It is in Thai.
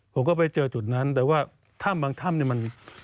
ผมก็ไปเจอจุดนั้นแต่ว่าถ้ำบางถ้ำเนี่ยมัน